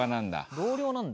同僚なんだ。